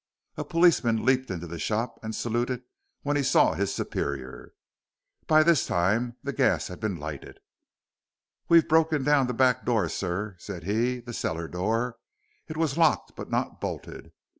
A policeman leaped into the shop and saluted when he saw his superior. By this time the gas had been lighted. "We've broken down the back door, sir," said he, "the cellar door it was locked but not bolted.